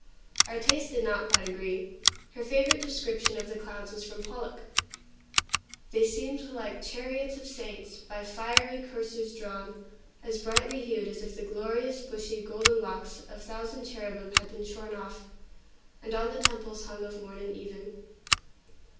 Our tastes did not quite agree. Her favorite description of the clouds was from Pollok: "They seemed like chariots of saints, By fiery coursers drawn; as brightly hued As if the glorious, bushy, golden locks Of thousand cherubim had been shorn off, And on the temples hung of morn and even."